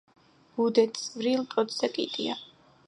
ბუდე წვრილ ტოტზე კიდია.